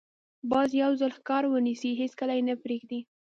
باز یو ځل ښکار ونیسي، هېڅکله یې نه پرېږدي